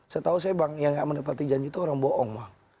saya tahu saya bang yang menepati janji itu orang bohong bang